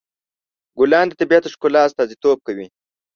ګلان د طبیعت د ښکلا استازیتوب کوي.